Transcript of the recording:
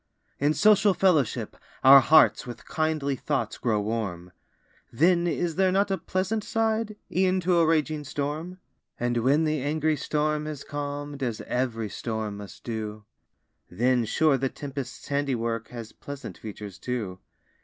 In social fellowship, our hearts With kindly thoughts grow warm; Then is there not a pleasant side, E'en to a raging storm? And when the angry storm has calm'd, As ev'ry storm must do, Then, sure, the tempest's handiwork, Has pleasant features, too.